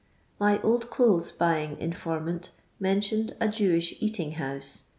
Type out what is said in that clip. My nldcluthes buying informant mentioned a Jewish eatiiig house.